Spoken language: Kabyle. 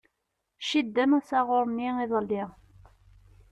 Cidden asaɣuṛ-nni iḍelli.